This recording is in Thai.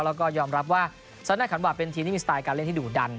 แล้วก็ยอมรับว่าซาน่าขันวาเป็นทีมที่มีสไตล์การเล่นที่ดุดัน